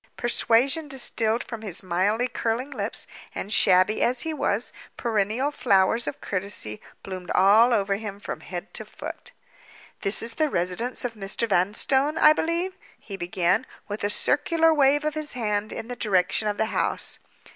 Persuasion distilled from his mildly curling lips; and, shabby as he was, perennial flowers of courtesy bloomed all over him from head to foot. "This is the residence of Mr. Vanstone, I believe?" he began, with a circular wave of his hand in the direction of the house.